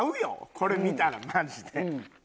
これ見たらマジで。